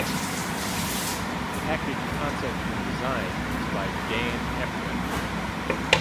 Package concept and design is by Dan Efram.